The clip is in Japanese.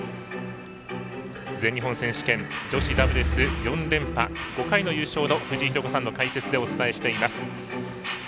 全日本選手権女子ダブルス４連覇５回の優勝の藤井寛子さんの解説でお伝えしています。